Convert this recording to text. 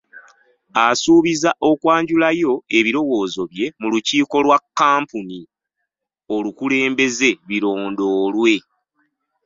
Asuubiza okwanjulayo ebirowoozo bye mu lukiiko lwa kkampuni olukulembeze birondoolwe.